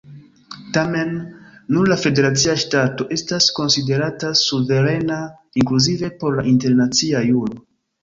Tamen, nur la federacia ŝtato estas konsiderata suverena, inkluzive por la internacia juro.